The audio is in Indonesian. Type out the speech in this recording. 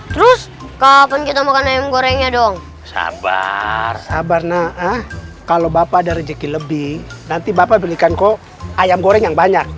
terus kapan kita makan ayam gorengnya dong sabar sabar naa kalau bapak ada rezeki lebih nanti bapak belikan kok ayam goreng yang banyak